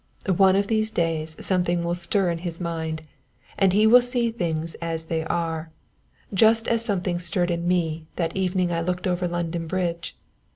One of these days something will stir in his mind, and he will see things as they are, just as something stirred in me that evening I looked over London Bridge.